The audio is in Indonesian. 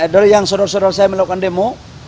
dari yang saudara saudara saya melakukan demo